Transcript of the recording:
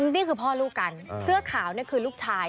นี่คือพ่อลูกกันเสื้อขาวนี่คือลูกชาย